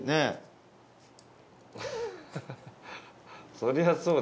そりゃそうだ。